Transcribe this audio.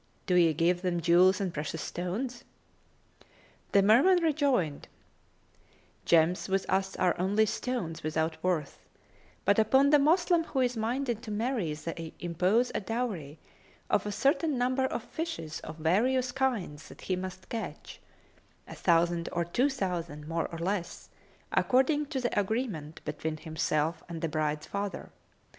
Do ye give them jewels and precious stones?" The Merman rejoined, "Gems with us are only stones without worth: but upon the Moslem who is minded to marry they impose a dowry of a certain number of fishes of various kinds that he must catch, a thousand or two thousand, more or less, according to the agreement between himself and the bride's father.